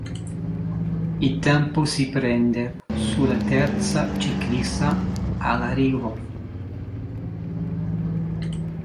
Il tempo si prende sulla terza ciclista all'arrivo.